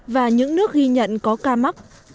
và những nước ghi nhận có ca mắc